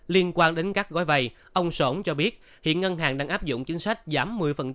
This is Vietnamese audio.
liên quan đến các gói vay ông sổn cho biết hiện ngân hàng đang áp dụng chính sách giảm một mươi